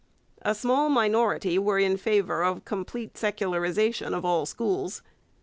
A small minority were in favour of complete secularization of all schools.